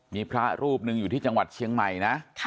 มีพระรูปหนึ่งอยู่ที่จังหวัดเชียงใหม่นะ